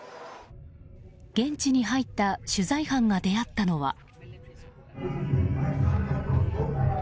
現地に入った取材班が出会ったのは。